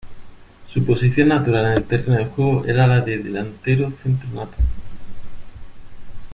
Su posición natural en el terreno de juego era la de delantero centro nato.